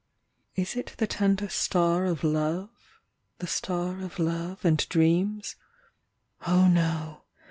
Is it the tender star of love? The star of love and dreams? Oh, no!